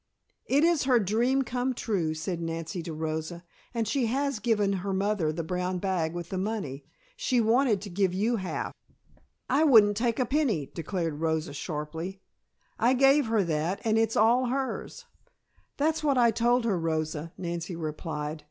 "It is her dream come true," said Nancy to Rosa. "And she has just given her mother the brown bag with the money. She wanted to give you half." "I wouldn't take a penny," declared Rosa sharply. "I gave her that and it's all hers." "That's what I told her, Rosa," Nancy replied.